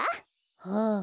はあ。